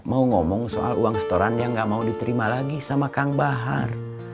mau ngomong soal uang setoran yang gak mau diterima lagi sama kang bahar